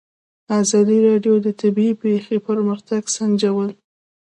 ازادي راډیو د طبیعي پېښې پرمختګ سنجولی.